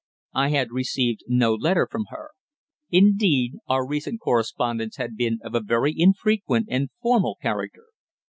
I had received no letter from her. Indeed, our recent correspondence had been of a very infrequent and formal character.